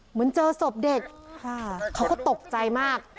เหมือนเจอศพเด็กเขาก็ตกใจมาก